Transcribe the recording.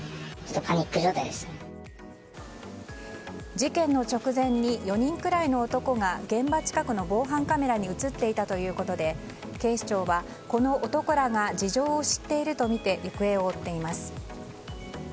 事件の直前に４人くらいの男が現場近くの防犯カメラに映っていたということで警視庁は、この男らが事情を知っているとみて行方を追っています。